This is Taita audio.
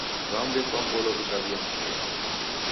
W'amu w'efwa ngolo w'ikaw'uya nyumbenyi.